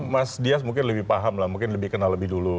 mas dias mungkin lebih paham lah mungkin lebih kenal lebih dulu